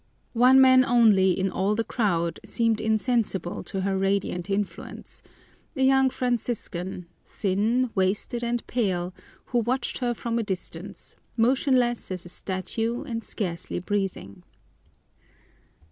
One man only in all the crowd seemed insensible to her radiant influence a young Franciscan, thin, wasted, and pale, who watched her from a distance, motionless as a statue and scarcely breathing.